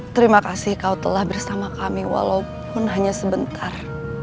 terima kasih kau telah bersama kami walaupun hanya sebentar